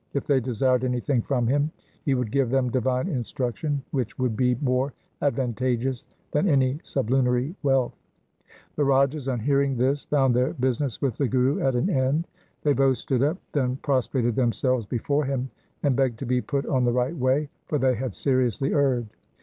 If they desired anything from him he would give them divine instruction, which would be more advantageous than any sublunary wealth. The Rajas on hearing this found their business with the Guru at an end. They both stood up, then prostrated themselves before him, and begged to be put on the right way, for they had seriously erred.